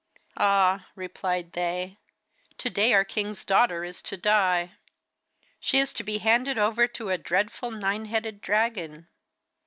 'Ah,' replied they, 'to day our king's daughter is to die. She is to be handed over to a dreadful nine headed dragon.